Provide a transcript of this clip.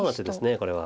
これは。